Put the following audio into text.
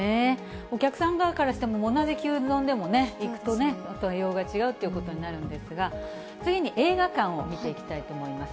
お客さん側からしても、同じ牛丼でも行くとね、対応が違うということになるんですが、次に映画館を見ていきたいと思います。